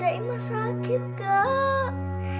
dadah emas sakit kak